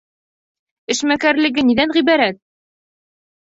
Эшмәкәрлеге ниҙән ғибәрәт?